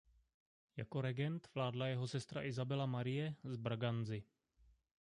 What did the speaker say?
Jako regent vládla jeho sestra Isabela Marie z Braganzy.